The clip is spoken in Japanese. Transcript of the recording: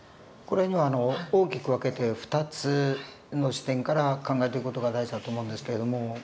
これには大きく分けて２つの視点から考えていく事が大事だと思うんですけれども。